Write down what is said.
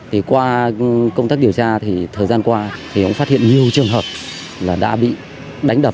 thì qua công tác điều tra thì thời gian qua thì cũng phát hiện nhiều trường hợp là đã bị đánh đập